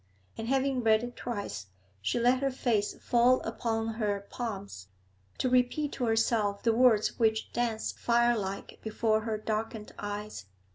And, having read it twice, she let her face fall upon her palms, to repeat to herself the words which danced fire like b re her darkened eyes.